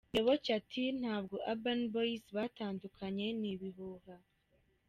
Muyoboke ati: "Ntabwo Urban Boyz batandukenye ni ibihuha.